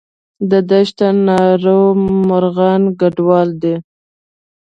د دشت ناور مرغان کډوال دي